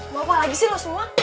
mau apa lagi sih lo semua